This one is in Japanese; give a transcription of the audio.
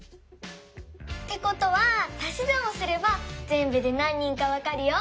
ってことはたしざんをすればぜんぶでなん人かわかるよ。